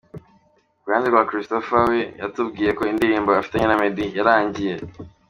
Ku ruhande rwa Christopher we yatubwiye ko indirimbo afitanye na Meddy yarangiye.